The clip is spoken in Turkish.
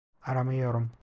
Aramıyorum.